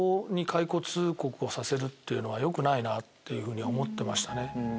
解雇通告をさせるっていうのはよくないなって思ってましたね。